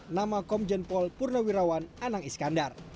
nama komjen pol purnawirawan anang iskandar